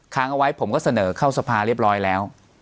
ค้างเอาไว้ผมก็เสนอเข้าสภาเรียบร้อยแล้ว